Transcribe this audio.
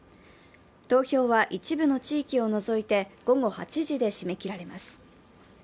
投票は一部の地域を除いて午後８時で締め切られます。